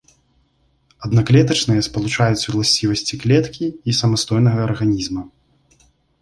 Аднаклетачныя спалучаюць уласцівасці клеткі і самастойнага арганізма.